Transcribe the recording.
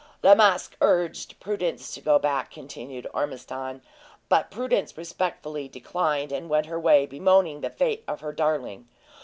"La Masque urged Prudence to go back," continued Ormiston; "but Prudence respectfully declined, and went her way bemoaning the fate of her darling.